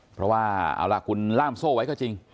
เพราะว่าเอาล่ะคุณล่ามโซ่ไว้ก็จริง